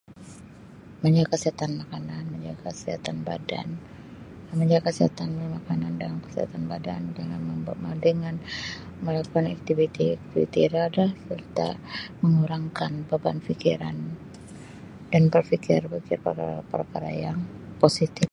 Menjaga kesihatan makanan, menjaga kesihatan badan, menjaga kesihatan makanan dengan kesihatan badan dengan memba-[Um] dengan melakukan aktiviti-aktiviti riadah serta mengurangkan beban fikiran dan berfikir pasal perkara yang positip.